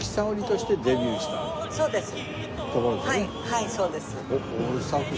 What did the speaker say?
はいそうです。